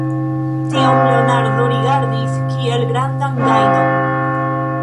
Tion Leonardo rigardis kiel grandan gajnon.